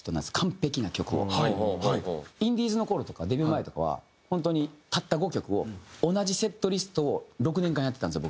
インディーズの頃とかデビュー前とかはホントにたった５曲を同じセットリストを６年間やってたんですよ